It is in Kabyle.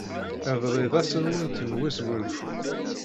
Iḍelli d ass-nwent n wesgunfu.